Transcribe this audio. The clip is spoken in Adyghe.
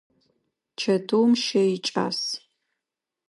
Чэтыум щэ икӏас.